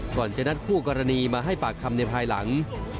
ก่อนจะนัดคู่กรณีมาให้ปากคำในภายหลัง